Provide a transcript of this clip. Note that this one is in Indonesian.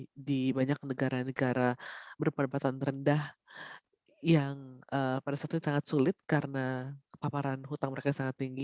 jadi di banyak negara negara berperbatasan rendah yang pada saat ini sangat sulit karena kepaparan hutang mereka sangat tinggi